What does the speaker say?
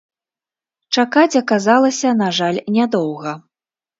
Чакаць аказалася, на жаль, нядоўга.